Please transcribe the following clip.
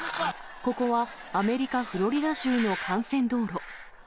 ここは、アメリカ・フロリダ州の幹線道路。